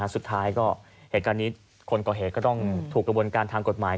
สุดท้ายก็เหตุการณ์นี้คนก่อเหตุก็ต้องถูกกระบวนการทางกฎหมาย